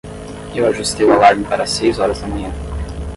Eu ajustei o alarme para as seis horas da manhã.